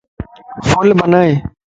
ڦل بنائي